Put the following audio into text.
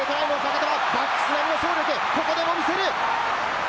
先制トライもバックス並みの走力、ここでも見せる。